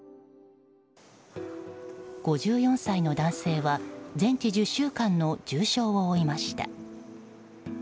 ５４歳の男性は、全治１０週間の重傷を負いました。